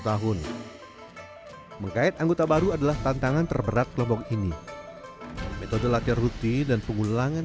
ya mungkin kurang terlalu bertelit telit lah terlalu lama